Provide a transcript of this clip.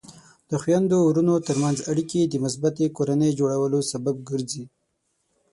د خویندو ورونو ترمنځ اړیکې د مثبتې کورنۍ جوړولو سبب ګرځي.